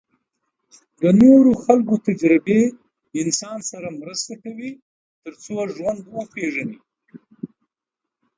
د نورو خلکو تجربې انسان سره مرسته کوي تر څو ژوند وپېژني.